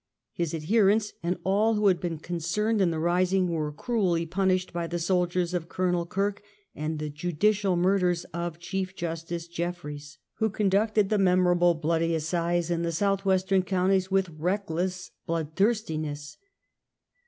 His adherents, and all who had been concerned in the rising, were cruelly punished by the soldiers of Colonel Kirke and the judicial murders of Chief justice Jeffreys, A STORMY PROSPECT. 9I who conducted the memorable "Bloody Assize" in the south western counties with reckless blood thirstiness.